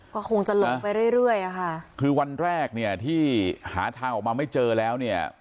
ก็คงจะลงไปเรื่อยเรื่อยอะค่ะคือวันแรกเนี่ยที่หาทางออกมาไม่เจอแล้วเนี่ย